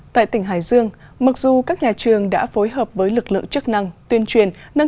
tại tỉnh hải dương mặc dù các nhà trường đã phối hợp với lực lượng chức năng tuyên truyền